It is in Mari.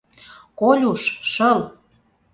— Колюш, шыл!